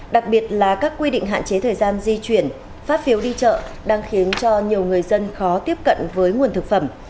đặc biệt là các quy định hạn chế thời gian di chuyển phát phiếu đi chợ đang khiến cho nhiều người dân khó tiếp cận với nguồn thực phẩm